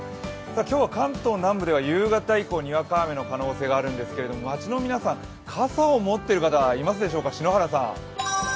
今日は関東南部では夕方以降、にわか雨の可能性があるんですが街の皆さん、傘を持っている人はいますでしょうか？